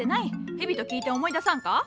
蛇と聞いて思い出さんか？